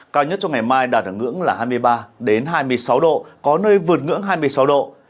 cao nhất cho ngày mai đạt ngưỡng là hai mươi ba đến hai mươi sáu độ có nơi vượt ngưỡng hai mươi sáu độ